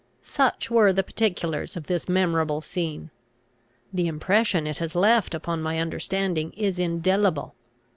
Such were the particulars of this memorable scene. The impression it has left upon my understanding is indelible.